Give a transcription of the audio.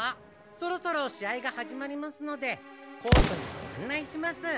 そろそろ試合が始まりますのでコートにご案内します。